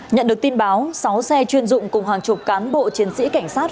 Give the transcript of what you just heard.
nhận được tin báo sáu xe chuyên dụng cùng hàng chục cán bộ chiến sĩ cảnh sát